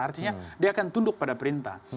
artinya dia akan tunduk pada perintah